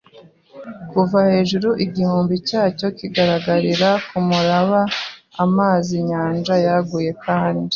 kuva hejuru, igihumbi cyacyo kigaragarira kumuraba, amazi-nyanja yaguye kandi